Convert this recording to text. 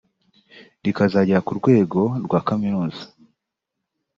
rikazagera ku rwego rwa kaminuza